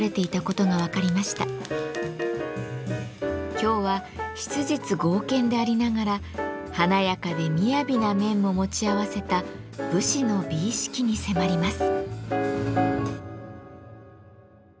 今日は質実剛健でありながら華やかでみやびな面も持ち合わせた武士の美意識に迫ります。